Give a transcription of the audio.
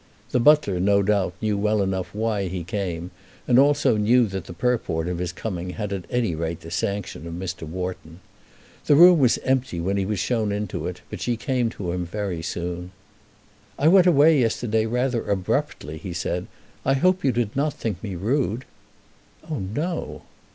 The butler, no doubt, knew well enough why he came, and also knew that the purport of his coming had at any rate the sanction of Mr. Wharton. The room was empty when he was shown into it, but she came to him very soon. "I went away yesterday rather abruptly," he said. "I hope you did not think me rude." "Oh no."